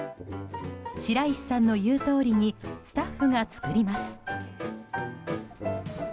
白石さんの言うとおりにスタッフが作ります。